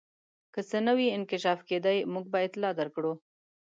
که څه نوی انکشاف کېدی موږ به اطلاع درکړو.